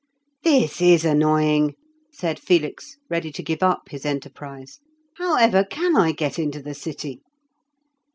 "This is annoying," said Felix, ready to give up his enterprise. "How ever can I get into the city?"